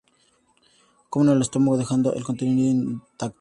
Comen el estómago, dejando el contenido intacto.